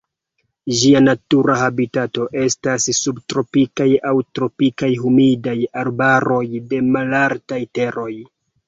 Ĝia natura habitato estas subtropikaj aŭ tropikaj humidaj arbaroj de malaltaj teroj.